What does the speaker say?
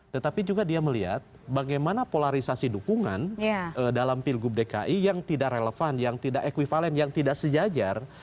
tetapi juga dia melihat bagaimana polarisasi dukungan dalam pilgub dki yang tidak relevan yang tidak ekvivalen yang tidak sejajar